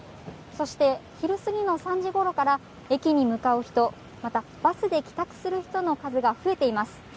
そして昼過ぎの３時ごろから駅に向かう人、またバスで帰宅する人の数が増えています。